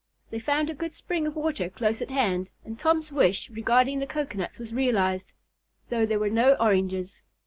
They found a good spring of water close at hand, and Tom's wish regarding the cocoanuts was realized, though there were no oranges.